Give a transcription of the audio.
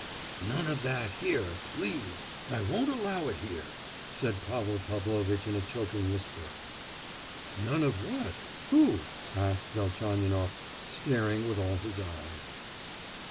"None of that here, please; I won't allow it here!" said Pavel Pavlovitch in a choking whisper. "None of what? Who?" asked Velchaninoff, staring with all his eyes.